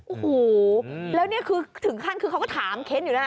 โอ้โหแล้วนี่คือถึงขั้นคือเขาก็ถามเค้นอยู่นะ